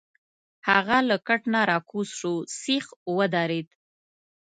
هغه له کټ نه راکوز شو، سیخ ودرید.